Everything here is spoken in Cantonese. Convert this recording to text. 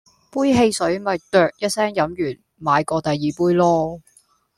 杯汽水咪啅一聲飲完買過第二杯囉